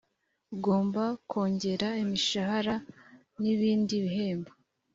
ugomba kongera imishahara n ibindi bihembo